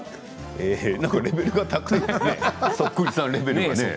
レベルが高いですね